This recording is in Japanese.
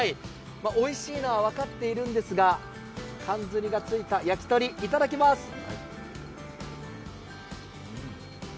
おいしいのは分かっているんですが、かんずりがついた焼き鳥、いただきます。